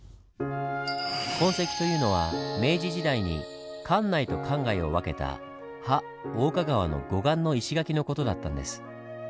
痕跡というのは明治時代に関内と関外を分けた派大岡川の護岸の石垣の事だったんです。